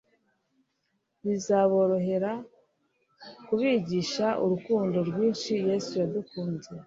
bizaborohera kubigisha urukundo rwinshi Yesu yadukunze.